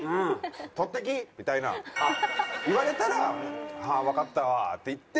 取ってき！みたいなん言われたらああわかったわって言って。